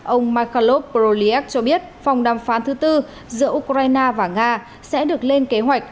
ông mikhail prolyek cho biết phòng đàm phán thứ tư giữa ukraine và nga sẽ được lên kế hoạch